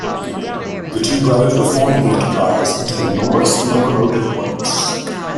The two brothers reformed the enterprise into the Norris Locomotive Works.